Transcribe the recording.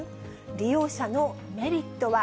利用者のメリットは？